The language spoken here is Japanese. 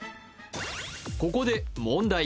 ここで問題